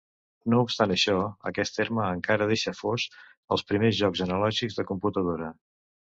No obstant això, aquest terme encara deixa fos els primers jocs analògics de computadora.